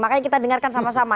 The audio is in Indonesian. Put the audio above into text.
makanya kita dengarkan sama sama